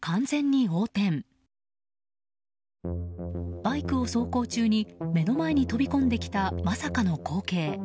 バイクを走行中に目の前に飛び込んできたまさかの光景。